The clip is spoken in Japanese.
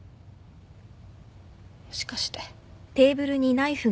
もしかして。